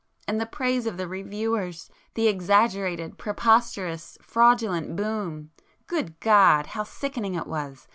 And the praise of the reviewers! ... the exaggerated, preposterous, fraudulent 'boom'! Good God!—how sickening it was!